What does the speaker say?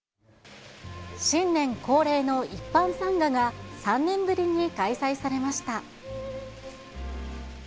新年恒例の一般参賀が、３年ぶりに開催されました。